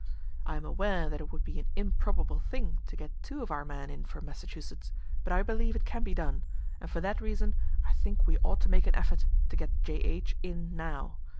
I am aware that it would be an improbable thing to get two of our men in for Massachusetts; but I believe it can be done, and for that reason I think we ought to make an effort to get J.H. in now.